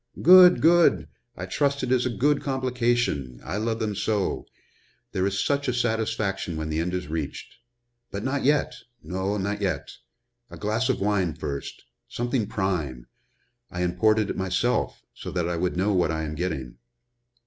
"Good! good! I trust it is a good complication I love them so there is such a satisfaction when the end is reached. But not yet no, not yet. A glass of wine first something prime I imported it myself, so that I would know what I am getting."